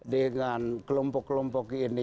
dengan kelompok kelompok ini